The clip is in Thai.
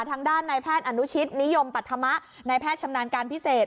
ทางด้านนายแพทย์อนุชิตนิยมปัธมะนายแพทย์ชำนาญการพิเศษ